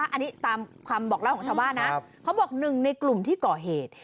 อันนี้ตามคำบอกเล่าของชาวบ้านนะเขาบอกหนึ่งในกลุ่มที่ก่อเหตุ